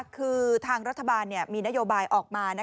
คือทางรัฐบาลมีนโยบายออกมา